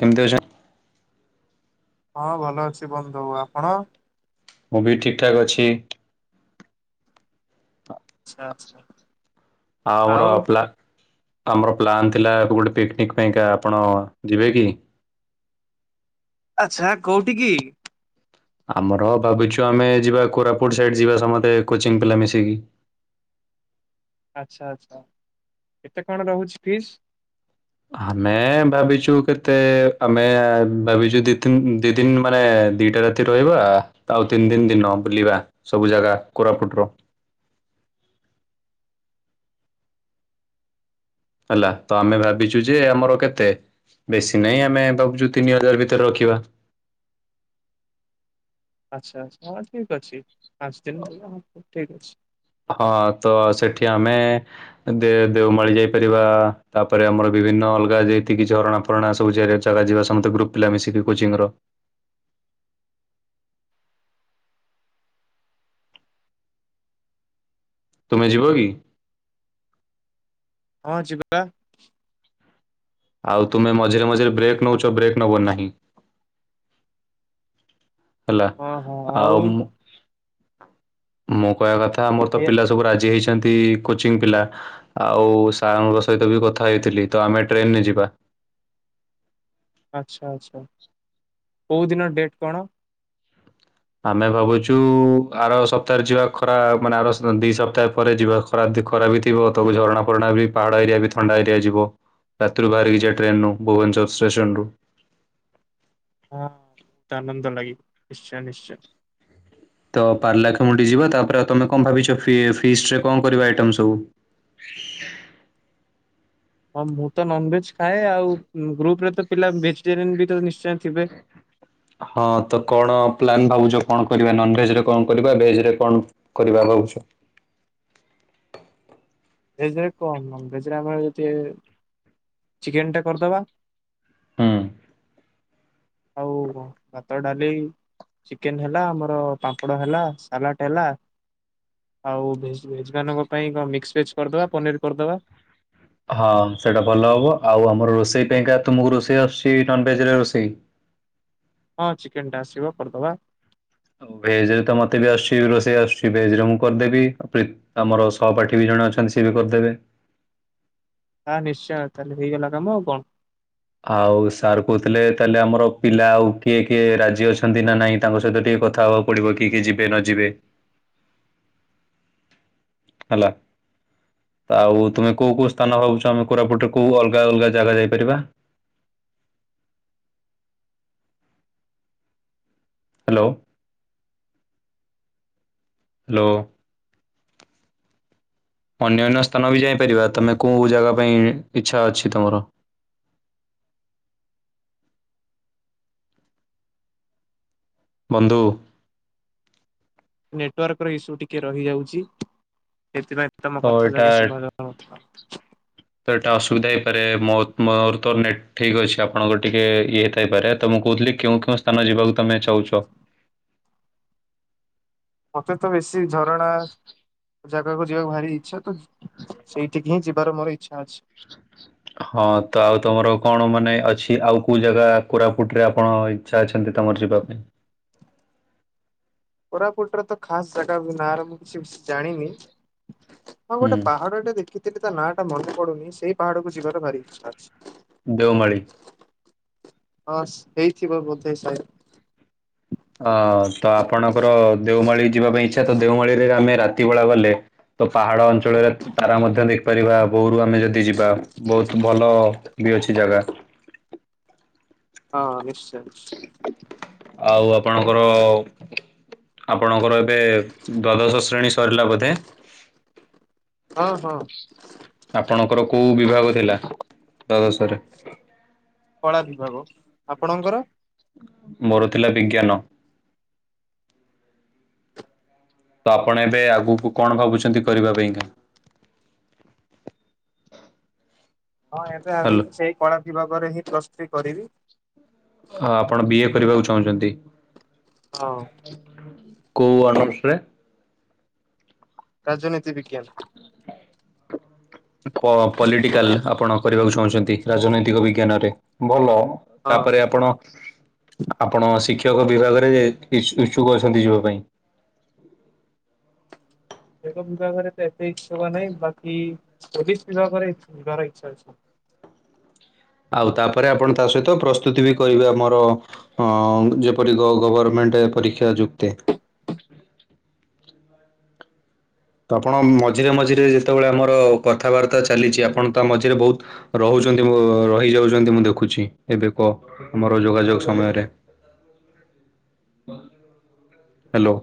କେମିତି ଅଛନ୍ତି? ହଁ ଭଲ ଅଛି ବନ୍ଧୁ ଆପଣ? ମୁଁ ବି ଠିକ୍ ଠାକ୍ ଅଛି। ଆଚ୍ଛା ଆଚ୍ଛା। ଆଉ ଆମର ପ୍ଳା ଆମର ପ୍ଲାନ୍ ଥିଲା ଗୋଟେ ପିକନିକ୍ ପାଇଁକା ଆପଣ ଯିବେ କି? ଆଚ୍ଛା କୋଉଟିକି? ଆମର ଭାବିଚୁ ଆମେ ଯିବା କୋରାପୁଟ ସାଇଡ୍ ଯିବା ସମସ୍ତେ କୋଚିଂ ପିଲା ମିଶିକି। ଆଚ୍ଛା ଆଚ୍ଛା କେତେ କଣ ରହୁଚି ଫିସ୍? ଆମେ ଭାବିଚୁ କେତେ ଆମେ ଭାବିଚୁ ଦି ତିନ୍ ଦି ଦିନ ମାନେ ଦିଟା ରା ତି ରହିବା ଆଉ ତିନ ଦିନ୍ ଦିନ ବୁଲିବା ସବୁ ଜାଗା କୋରାପୁଟ ର। ହେଲା ତ ଆମେ ଭାବିଚୁ ଯେ ଆମର କେତେ? ବେଶୀ ନାହିଁ ଆମେ ଭାବୁଚୁ ତିନି ହଜାର ଭିତରେ ରଖିବା। ଆଚ୍ଛା ଆଛା ହଁ ଠିକ୍ ଅଛି ପାଞ୍ଚ ଦିନ ହଁ ଠିକ୍ ଅଛି। ହଁ ତ ସେଠି ଆମେ ଦେ ଦେଓମାଳି ଯାଇପାରିବା ତାପରେ ଆମର ବିଭିନ୍ନ ଅଲଗା ଯେତିକି ଝରଣା ଫରଣା ସବୁଜା ଜାଗା ଯିବା ସମସ୍ତେ ଗ୍ରୁପ ପିଲା ମିଶିକି କୋଚିଂ ର। ତୁମେ ଯିବ କି? ହଁ ଯିବା। ଆଉ ତୁମେ ମଝିରେ ମଝିରେ ବ୍ରେକ୍ ନେଉଚ ବ୍ରେକ୍ ନବ ନାହିଁ। ହେଲା ହଁ ହଁ ଆଉ ମୁଁ ମୁଁ କହିବା କଥା ମୋର ତ ଖାଇବା ପିଲା ସବୁ ରାଜି ହେଇଚନ୍ତି କୋଚିଂ ପିଲା। ଆଉ ସାର୍ ଙ୍କ ସହିତ ବି କଥା ହେଇଥିଲି ତ ଆମେ ଟ୍ରେନରେ ଯିବା। ଆଚ୍ଛା ଆଚ୍ଛା କେଉଦିନ ଡେଟ୍ କଣ? ଆମେ ଭାବୁଚୁ ଆର ସପ୍ତାହରେ ଯିବା ଖରା ମାନେ ଆର ଦି ସପ୍ତାହ ପରେ ଯିବା। ଖରା ଦ ଖରାପ ବି ଥିବ ତକୁ ଝରଣା ଫରଣା ବି ପାହାଡ଼ ଏରିଆ ବି ଥଣ୍ଡା ଏରିଆ ଯିବ। ରାତିରୁ ବାହାରିକି ଯିବା ଟ୍ରେନରୁୁ ଭୁବନେଶ୍ୱର ଷ୍ଟେସନ ରୁ ହଁ ବହୁତ ଆନନ୍ଦ ଲାଗିବ ନିଶ୍ଚୟ ନିଶ୍ଚୟ। ତ ପାରଳାଖେମୁଣ୍ଡି ଯିବା ତାପରେ ଆଉ ତମେ କଣ ଭାବିଚ ଫି ଫିଷ୍ଟ ରେ କଣ କଣ କରିବା ଆଇଟମ୍ ସବୁ? ହଁ ମୁଁ ତ ନନ୍ ଭେଜ୍ ଖାଏ ଆଉ ଗ୍ରୁପ ରେ ତ ପିଲା ଭେଜିଟେରିୟନ୍ ବି ନିଶ୍ଚୟ ଥିବେ। ହଁ ତ କଣ ପ୍ଲାନ୍ ଭାବୁଚ କଣ କରିବା ନନ୍ ଭେଜ୍ ରେ କଣ କରିବା ଭେଜ୍ ରେ କଣ କରିବା ଭାବୁଛ? ଭେଜ୍ ରେ କଣ ନନ୍ ଭେଜ୍ ରେ ଆମେ ଯଦି ଚିକେନ୍ ଟା କରିଦେବା। ହୁଁ। ଆଉ କଣ ଭାତ ଡାଲି। ଚିକେନ ହେଲା ଆମର ପାମ୍ପଡ଼ ହେଲା ସାଲାଟ ହେଲା। ଆଉ ଭେଜ୍ ଭେଜ୍ ମାନଙ୍କ ପାଇଁ କଣ ମିକ୍ସ ଭେଜ୍ କରିଦେବା ପନିର୍ କରିଦେବା। ହଁ ସେଇଟା ଭଲ ହବ ଆଉ ଆମର ରୋଷେଇ ପାଇଁ କା ତୁମକୁ ରୋଷେଇ ଆସୁଛି ନନ୍ ଭେଜ୍‌ ରୋଷେଇ? ହଁ ଚିକେନ୍ ଟା ଆସିବ କରିଦବା। ଭେଜ୍‌ ରେ ତ ମୋତେ ବି ଆସୁଛି ରୋଷେଇ ଆସୁଛି ଭେଜ୍‌ ରେ ମୁଁ କରିଦେବି। ଆମର ସହପାଠୀ ବି ଜଣେ ଅଛନ୍ତି ସେ ବି କରିଦେବେ। ହଁ ନିଶ୍ଚୟ ତାହେଲେ ହେଇଗଲା କାମ ଆଉ କଣ। ଆଉ ସାର୍ କହୁଥିଲେ ତାହେଲେ ଆମର ପିଲା ଆଉ କିଏ କିଏ ରାଜି ଅଛନ୍ତି ନା ନାଇଁ ତାଙ୍କ ସହିତ ଟିକେ କଥା ହବା। ପଡିବ କିଏ କିଏ ଯିବେ ନ ଯିବେ। ହେଲା। ତ ଆଉ ତମେ କୋଉ କୋଉ ସ୍ଥାନ ଭାବୁଛ ଆମେ କୋରାପୁଟ ରେ କୋଉ ଅଲଗା ଅଲଗା ଜାଗା ଯାଇପାରିବା? Hello hello. ଅନ୍ୟାନ୍ୟ ସ୍ଥାନ ବି ଯାଇପାରିବା ତମେ କୋଉ ଜାଗା ପାଇଁ ଇଚ୍ଛା ଅଛି ତମର? ବନ୍ଧୁ। ନେଟୱାର୍କ ର ଇସୁ ଟିକେ ରହିଯାଉଛି ସେଥିପାଇଁ ତମ ତ କଥା ଯାକ ଏଇଟା ଶୁଭାଯାଉନଥିଲା। ତ ଏଇଟା ଅସୁବିଧା ହେଇପାରେ ମୋ ମୋର ତ ନେଟ୍ ଠିକ୍ଅଛି ଆପଣଙ୍କର ଟିକେ ଇଏଥାଇପାରେ ତ ମୁଁ କହୁଥିଲି କେଉଁ ସ୍ଥାନ ଯିବାକୁ ତମେ ଚାହୁଁଚ? ମତେ ତ ବେଶୀ ଝରଣା ଜାଗାକୁ ଯିବାକୁ ଭାରି ଇଚ୍ଛା ତ ସେଇଠିକି ହିଁ ଯିବାର ମୋର ଇଚ୍ଛା ଅଛି। ହଁ ତ ଆଉ ତମର କଣ ମାନେ ଅଛି ଆଉ କୋଉ ଜାଗା କୋରାପୁଟ ରେ ଆପଣ ଇଛା ଅଛନ୍ତି ତମର ଯିବା ପାଇଁ। କୋରାପୁଟରେ ତ ଖାସ ଜାଗା ବି ନାଁରେ ମୁଁ କିଛି ଜାଣିନି। ହଁ ହୁଁ ଗୋଟେ ପାହାଡଟେ ଦେଖିଥିଲି ତା ନାଁ ଟା ମନେ ପଡୁନି ସେଇ ପାହାଡକୁ ଯିବାର ଭାରି ଇଚ୍ଛା ଅଛି? ଦେଓମାଳୀ। ହଁ ହେଇଥିବ ବୋଧେ ସାଇ। ଅଁ ତ ଆପଣଙ୍କର ଦେଓମାଳି ଯିବା ପାଇଁ ଇଚ୍ଛା ତ ଦେଓମାଳିରେ ଆମେ ରାତି ବେଳା ଗଲେ ତ ପାହାଡ ଅଞ୍ଚଳରେ ତାରା ମଧ୍ୟ ଦେଖିପାରିବା ଭୋରୁ ଆମେ ଯଦି ଯିବା ବହୁତ ଭଲ। ବି ଅଛି ଜାଗା। ହଁ ନିଶ୍ଚୟ। ନିଶ୍ଚୟ। ଆଉ ଆପଣଙ୍କର? ଆପଣଙ୍କର ଏବେ ଦ୍ଵାଦଶ ଶ୍ରେଣୀ ସରିଲା ବୋଧେ? ହଁ ହଁ। ଆପଣଙ୍କର କୋଉ ବିଭାଗ ଥିଲା ଦ୍ଵାଦଶରେ? କଳା ବିଭାଗ ଆପଣଙ୍କର? ମୋର ଥିଲା ବିଜ୍ଞାନ। ତ ଆପଣ ଏବେ ଆଗକୁ କଣ ଭାବୁଛନ୍ତି କରିବା ପାଇଁ କା? ହଁ ଏବେ ହ୍ୟାଲୋ ଭାବିକି ସେଇ କଳା ବିଭାଗରେ ହିଁ ପ୍ରସ୍ ଥ୍ରୀ କରିବି। ହଁ ଆପଣ ବିଏ କରିବାକୁ ଚାହୁଁଛନ୍ତି। ହଁ। କୋଉ ଅନର୍ସ ରେ? ରାଜନୀତି ବିଜ୍ଞାନ। ପ ପଲିଟିକାଲ ଆପଣ କରିବାକୁ ଚାହୁଁଛନ୍ତି, ରାଜନୈତିକ ବିଜ୍ଞାନରେ ଭଲ। ହଁ। ତାପରେ ଆପଣ? ଆପଣ ଶିକ୍ଷକ ବିଭାଗରେ ଇଚ୍ଛୁକ ଅଛନ୍ତି ଯିବା ପାଇଁ। [unintelligible] ବିଭାଗରେ ତ ଏତେ ଇଚ୍ଛା ନାହିଁ ବାକି ପୋଲିସ ବିଭାଗରେ ଯିବାର ଇଚ୍ଛା ଅଛି। ଆଉ ତାପରେ ଆପଣ ତା ସହିତ ପ୍ରସ୍ତୁତି ବି କରିବେ ଆମର ହଁ-ଅ-ଅ ଯେପରି ଗ ଗଭରମେଣ୍ଟ ପରୀକ୍ଷା ଯୁକ୍ତେ ତ ଆପଣ ମଝିରେ ମଝିରେ ଯେତେବେଳେ ଆମର କଥାବାର୍ତ୍ତା ଚାଲିଛି, ଆପଣ ତା ମଝିରେ ବହୁତ୍ ରହୁଛନ୍ତି, ରହି ଯାଉଛନ୍ତି ମୁଁ ଦେଖୁଛି, ଏବେ କଅ। ଆମର ଯୋଗାଯୋଗ ସମୟରେ, ହ୍ୟାଲୋ।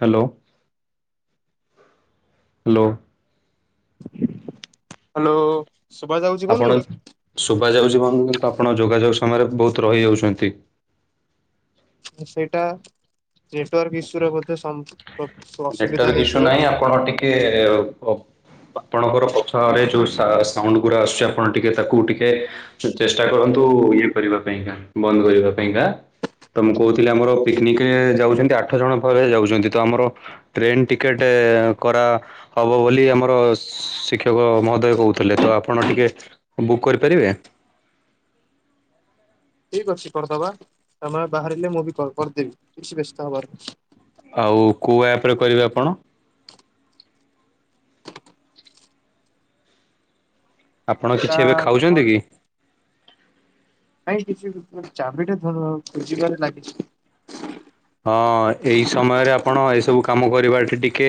ହ୍ୟାଲୋ। ହ୍ୟାଲୋ। ହ୍ୟାଲୋ? ଶୁଭା ଯାଉଛି ବନ୍ଧୁ ଆପଣ, ଶୁଭାଯାଉଛି [inaudible] ଆପଣ ଯୋଗାଯୋଗ ସମୟରେ ବହୁତ ରହି ଯାଉଚନ୍ତି। ସେଇଟା, ନେଟୱାର୍କ ଇସ୍ୟୁର ବୋଧେ ସମ୍ ଅସୁବିଧା ନେଟୱାର୍କ ଇସ୍ୟୁ ହେଇଥିବ ନାହିଁ, ଆପଣ ଟିକେ ଅପ୍ ଆପଣଙ୍କର ପଛଆଡେ ଯୋଉ ସା ସାଉଣ୍ଡ ଗୁଡା ଆସୁଛି, ଆପଣ ଟିକେ ତାକୁ ଟିକେ ଚେଷ୍ଟା କରନ୍ତୁ ଇଏ କରିବା ପାଇଁକା, ବନ୍ଦ କରିବା ପାଇଁକା। ତ ମୁଁ କହୁଥିଲି ଆମର ପିକନିକରେ ଯାଉଛନ୍ତି, ଆଠ ଜଣ ପରେ ଯାଉଛନ୍ତି। ତ ଆମର, ଟ୍ରେନ୍ ଟିକେଟ କରା ହବ ବୋଲି ଆମର ଶିକ୍ଷକ ମହୋଦୟ କହୁଥିଲେ, ତ ଆପଣ ଟିକେ ବୁକ୍ କରିପାରିବେ? ଠିକ୍ ଅଛି କରିଦବା, ତମେ ବାହାରିଲେ ମୁଁ ବି କଲ୍ କରିଦେବି, କିଛି ବ୍ୟସ୍ତ ହେବାର ନାହିଁ। ଆଉ କୋଉ ଆପରେ କରିବେ ଆପଣ? ଆପଣ ତା କିଛି ଏବେ କଣ ଖାଉଛନ୍ତି କି? ନାଇଁ କିଛି ବି, ମୁଁ ଚାବିଟା [inaudible] ଖୋଜିବାରେ ଲାଗିଛି। ହଁ-ଅ-ଅ ଏଇ ସମୟରେ ଆପଣ ଏସବୁ କାମ କରିବାଟା ଟିକେ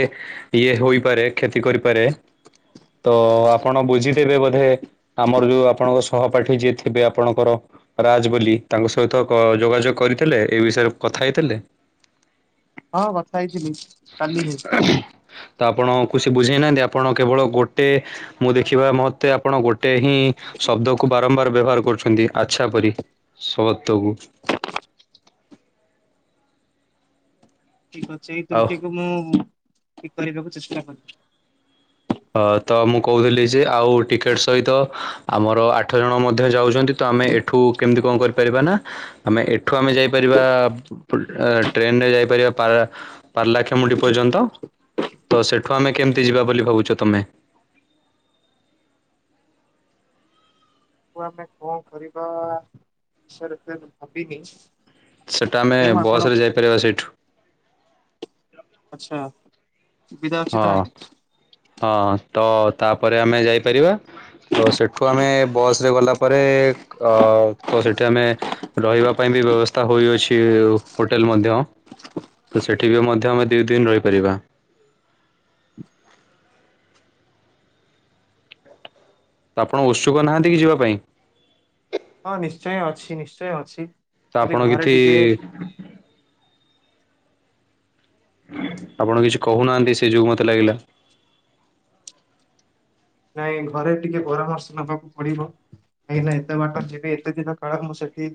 ଇଏ ହୋଇପାରେ କ୍ଷତି କରିପାରେ, ତ ଆପଣ ବୁଝିଦେବେ ବୋଧେ ଆମର ଯୋଉ ଆପଣଙ୍କ ସହପାଠୀ ଯିଏ ଥିବେ ଆପଣଙ୍କର ରାଜ୍ ବୋଲି ତାଙ୍କ ସହିତ କ ଯୋଗାଯୋଗ କରିଥିଲେ ଏଇ ବିଷୟରେ କଥା ହେଇଥିଲେ? ହଁ କଥା ହେଇଥିଲି କାଲି ହିଁ। ତ ଆପଣଙ୍କୁ ସେ ବୁଝେଇନାହାନ୍ତି ଆପଣ କେବଳ ଗୋଟେ ମୁଁ ଦେଖିବା ମତେ ଆପଣ ଗୋଟେ ହିଁ ଶବ୍ଦକୁ ବାରମ୍ବାର ବ୍ୟବହାର କରୁଛନ୍ତି ଆଚ୍ଛା ପରି। ସତ୍ବକୁ। ଠିକ୍ ଅଛି ଏଇ ଆଉ ତ୍ରୁଟିକୁ ମୁଁ ଠିକ୍ କରିବାକୁ ଚେଷ୍ଟା କରିବି। ଅ ତ ମୁଁ କହୁଥିଲି ଯେ ଆଉ ଟିକେଟ୍ ସହିତ ଆମର ଆଠ ଜଣ ମଧ୍ୟ ଯାଉଛନ୍ତି ତ ଆମେ ଏ ଠୁ କେମିତି କଣ କରିପାରିବା ନା ଆମେ ଏଠୁ ଆମେ ଯାଇପାରିବା-ଆ-ଆ ଫୁ ଟ୍ରେନରେ ଯାଇପାରିବା ପାରା ପାରଲାଖେମୁଣ୍ଡି ପର୍ଯ୍ୟନ୍ତ ତ ସେଠୁ ଆମେ କେମିତି ଯିବା ବୋଲି ଭାବୁଛ ତମେ? [unintelligible] ଆମେ କଣ କରିବା ସେ ବିଷୟରେ ଭାବିନି। ସେଟା ଆମେ ସେ ମୁଁ ଆପଣଙ୍କୁ ବସରେ ଯାଇପାରିବା ସେଇଠୁ। ଆଚ୍ଛା। ସୁବିଧା ଅଛି ହଁ ତାହେଲେ। ହଁ, ତ ତାପରେ ଆମେ ଯାଇପାରିବା। ତ ସେଠୁ ଆମେ ବସରେ ଗଲା ପରେ ଅ ତ ସେଠି ଆମେ ରହିବା ପାଇଁ ବି ବ୍ୟବସ୍ଥା ହୋଇଅଛି ହୋଟେଲ ମଧ୍ୟ। ତ ସେଠି ବି ମଧ୍ୟ ଆମେ ଦି ଦିନ ରହିପାରିବା। ତ ଆପଣ ଉତ୍ସୁକ ନାହାଁନ୍ତି କି ଯିବା ପାଇଁ? ହଁ ନିଶ୍ଚୟ ଅଛି ନିଶ୍ଚୟ ଅଛି। ତ ଖାଲି ଆପଣ ଘରେ କିଥି ଟିକେ ଆପଣ କିଛି କହୁନାହାନ୍ତି, ସେଇ ଯୋଗୁ ମତେ ଲାଗିଲା। ନାଇଁ, ଘରେ ଟିକେ ପରାମର୍ଶ ନେବାକୁ ପଡିବ। କାଇଁ ନା, ଏତେ ବାଟ ଯିବି, ଏତେ ଦିନ କାଳ ମୁଁ ସେଠି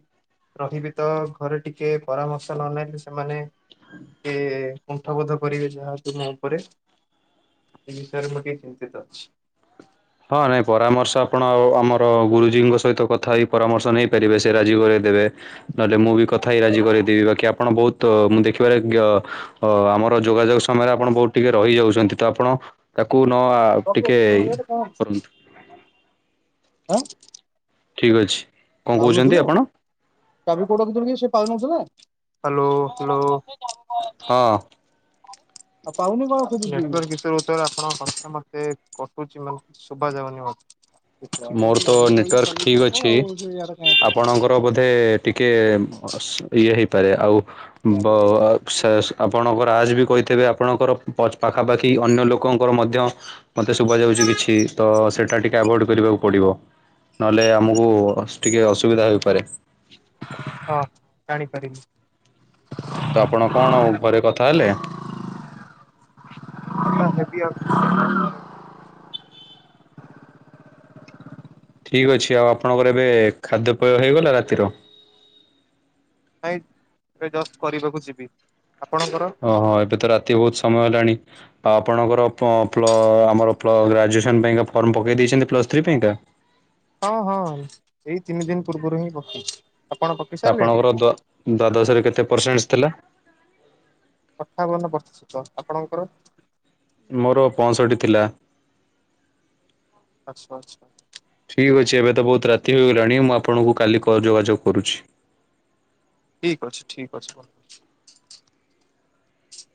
ରହିବି ତ, ଘରେ ଟିକେ ପରାମର୍ଶ ନନେଲେ ସେମାନେ କି କୁଣ୍ଠ ବୋଧ କରିବେ, ଯାହା ତୁମ ଉପରେ। ଏ ବିଷୟରେ ମୁଁ ଟିକେ ଚିନ୍ତିତ ଅଛି। ହଁ ନାଇଁ, ପରାମର୍ଶ, ଆପଣ ଆ ଆମର ଗୁରୁଜୀଙ୍କ ସହିତ କଥା ହେଇ ପରାମର୍ଶ ନେଇପାରିବେ, ସେ ରାଜି କରେଇ ଦେବେ। ନହେଲେ ମୁଁ ବି କଥା ହେଇ ରାଜି କରେଇଦେବି, ବାକି ଆପଣ ବହୁତ ମୁଁ ଦେଖିବାରେ କି ଅ ଆମର ଯୋଗାଯୋଗ ସମୟରେ ଆପଣ ବହୁତ ଟିକେ ରହିଯାଉଚନ୍ତି, ତ ଆପଣ ତାକୁ ନ ଆ ପାଉନଥିଲୁ ଟିକେ କରନ୍ତୁ। ହଁ। ଠିକ୍ ଅଛି। କଣ କହୁଛନ୍ତି ପାଉନଥିଲୁ? ଆପଣ ଚାବି କୋଉଠି ରଖିଥିଲୁକି ସେ ପାଉନଥିଲେ? ହଁ। ଆଉ ପାଉନି କଣ ଖୋଜୁଛି? ଶୁଭାଯାଉନି ମତେ? ମୋର ତ ନେଟୱାର୍କ ଠିକ୍ ଅଛି। ସେ ଇଆଡେ କାଇଁ ଏତେ ଆପଣଙ୍କର ବୋଧେ ଟିକେ ଇଏ ହେଇପାରେ ଆଉ ବ ଅ ଆପଣଙ୍କର ରାଜ ବି କହିଥିବେ, ଆପଣଙ୍କର ପାଖାପାଖି ଅନ୍ୟ ଲୋକଙ୍କର ମଧ୍ୟ ମୋତେ ଶୁଭା ଯାଉଛି କିଛି, ତ ସେଇଟା ଟିକେ ଆଭଏଡ଼୍ କରିବାକୁ ପଡିବ, ନହେଲେ ଆମକୁ ଟିକେ ଅସୁବିଧା ହେଇପାରେ? ହଁ, ଜାଣିପାରିଲି। ତ ଆପଣ କଣ, ଘରେ କଥା ହେଲେ? [unintelligible] ଆଉ। ଠିକ୍ ଅଛି, ଆଉ ଆପଣଙ୍କର ଏବେ ଖାଦ୍ୟପେୟ ହେଇଗଲା ରାତିର? ନାଇଁ, ଏବେ ଜଷ୍ଟ କରିବାକୁ ଯିବି, ଆପଣଙ୍କର? ଓହୋ, ଏବେ ତ ରାତି ବହୁତ ସମୟ ହେଲାଣି। ଆଉ ଆପଣଙ୍କର ପ ପ୍ ପ୍ଲ ଆମର ପ୍ଲ ଗ୍ରାଜୁଏସନ୍ ପାଇଁକା ଫର୍ମ ପକାଇ ଦେଇଛନ୍ତି ପ୍ଲସ୍ ଥ୍ରୀ ପାଇଁକା? ହଁ ହଁ, ଏଇ ତିନି ଦିନ ପୂର୍ବରୁ ହିଁ ପକେଇଚି। ତ, ଆପଣଙ୍କର ଦ୍ୱା ଦ୍ଵାଦଶରେ କେତେ ପରସେଣ୍ଟଜ ଥିଲା? ଅଠାବନ ପ୍ରତିଶତ, ଆପଣଙ୍କର? ମୋର ପଞ୍ଚଷଟି ଥିଲା। ଆଛା, ଆଛା। ଠିକ୍ ଅଛି, ଏବେ ତ ବହୁତ ରାତି ହୋଇଗଲାଣି, ମୁଁ ଆପଣଙ୍କୁ କାଲି ଯୋଗାଯୋଗ କରୁଛି। ଠିକ୍ ଅଛି, ଠିକ୍ ଅଛି ବନ୍ଧୁ।